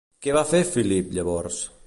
Què va fer Filip llavors?